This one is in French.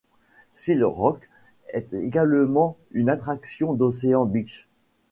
Seal Rock est également une attraction d’Ocean Beach.